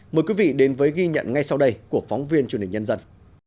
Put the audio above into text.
mời quý vị đến với ghi nhận ngay sau đây của phóng viên truyền hình nhân dân